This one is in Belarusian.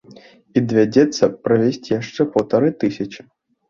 І давядзецца правесці яшчэ паўтары тысячы.